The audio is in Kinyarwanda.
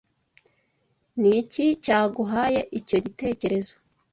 Ni iki cyaguhaye icyo gitekerezo?